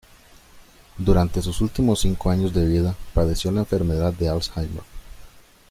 Durante sus últimos cinco años de vida, padeció la enfermedad de Alzheimer.